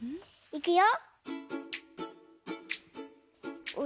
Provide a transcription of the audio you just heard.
いくよ。